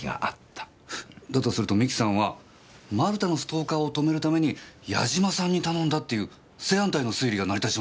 だとすると美紀さんは丸田のストーカーを止めるために八嶋さんに頼んだっていう正反対の推理が成り立ちますよ。